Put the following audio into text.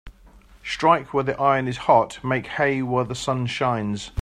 Strike while the iron is hot Make hay while the sun shines